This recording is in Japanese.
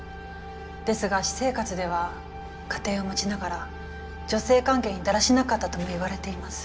ですが私生活では家庭をもちながら女性関係にだらしなかったとも言われています。